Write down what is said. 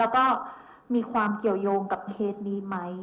แล้วก็มีความเกี่ยวยงกับเคสนี้ไหม